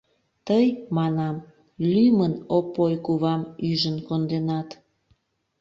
Тый, манам, лӱмын Опой кувам ӱжын конденат.